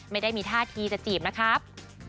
ไม่ได้มีท่าทีจะจีบนะครับ